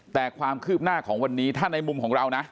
แต่ความคืบหน้าของวันนี้ถ้าในมุมของเรานะ